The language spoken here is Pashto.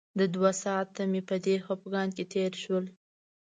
د دوه ساعته مې په دې خپګان کې تېر شول.